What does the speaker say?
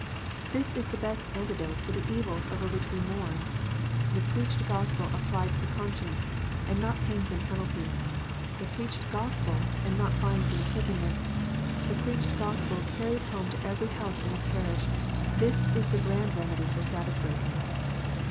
This is the best antidote for the evils over which we mourn. The preached Gospel applied to the conscience, and not pains and penalties, the preached Gospel, and not fines and imprisonment, the preached Gospel carried home to every house in a parish, this is the grand remedy for Sabbath breaking.